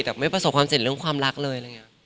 แต่ไม่ประสบความเสร็จเรื่องความรักเลย